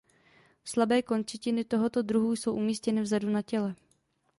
Slabé končetiny tohoto druhu jsou umístěny vzadu na těle.